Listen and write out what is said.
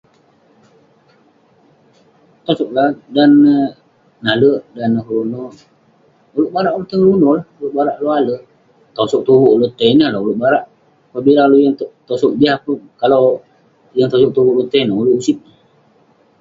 Tosog lah dan neh nale', dan neh keluno, ulouk barak ulouk tai ngeluno lah, urouk barak ulouk ale'. Tosog tuvuk ulouk tai, ineh lah ulouk barak. [unintelligible] tosog jah peh, kalau ulouk yeng tosog tuvuk ulouk tai neh, ulouk usit.